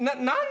何？